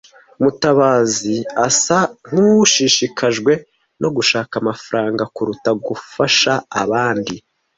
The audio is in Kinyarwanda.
Mutabazi asa nkushishikajwe no gushaka amafaranga kuruta gufasha abandi.